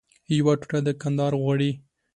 یوه ټوټه د کندهار غواړي